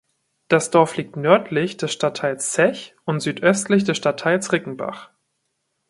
Das Dorf liegt nördlich des Stadtteils Zech und südöstlich des Stadtteils Rickenbach.